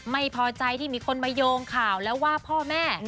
ไม่พอใจที่มีคนมาโยงข่าวแล้วว่าพ่อแม่